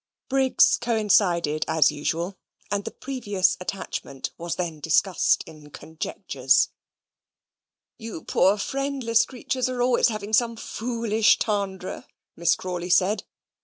Briggs coincided as usual, and the "previous attachment" was then discussed in conjectures. "You poor friendless creatures are always having some foolish tendre," Miss Crawley said.